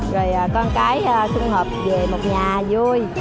rồi con cái xung hợp về một nhà vui